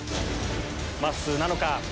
まっすーなのか？